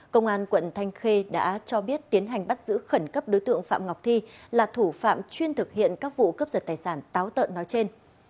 công an quận thanh khê đã cho biết tiến hành bắt giữ khẩn cấp đối tượng phạm ngọc thi là thủ phạm chuyên thực hiện các vụ cướp giật tài sản táo tợn nói trên